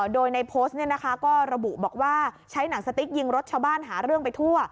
โดยในโพสต์ก็ระบุบอกว่าใช้หนังสติ๊กยิงรถชาวบ้านหาเรื่องไปทั่ว